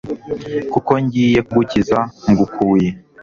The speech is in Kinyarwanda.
Kuko ngiye kugukiza ngukuye